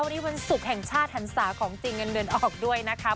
วันนี้วันศุกร์แห่งชาติหันศาของจริงเงินเดือนออกด้วยนะคะ